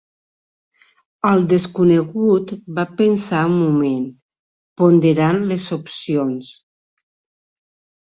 El desconegut va pensar un moment, ponderant les opcions.